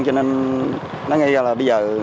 cho nên nói ngay ra là bây giờ